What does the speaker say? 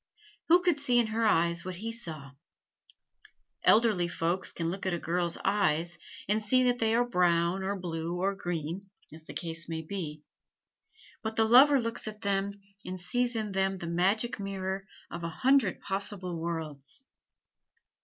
Who could see in her eyes what he saw? Elderly folks can look at a girl's eyes, and see that they are brown or blue or green, as the case may be; but the lover looks at them and sees in them the magic mirror of a hundred possible worlds.